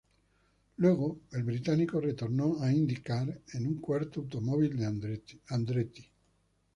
Luego el británico retornó a IndyCar en un cuarto automóvil de Andretti.